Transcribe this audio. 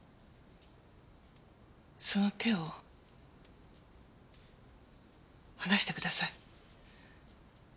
その手を離してください。